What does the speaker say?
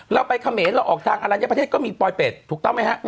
เราไปเขมรเราออกทางอลัญญประเทศก็มีปลอยเป็ดถูกต้องไหมฮะ